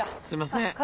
すいません。